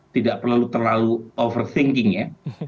tidak terlalu over thinking ya